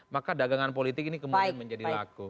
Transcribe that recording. maka dagangan politik ini kemudian menjadi laku